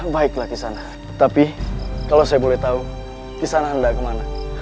baiklah kisah anak tapi kalau saya boleh tahu kisah anak anda kemana